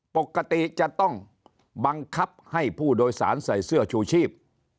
ปกติจะต้องบังคับให้ผู้โดยสารใส่เสื้อชูชีพ